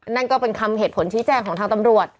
นั่นก็เป็นคำเหตุผลชี้แจ้งของทางตำรวจ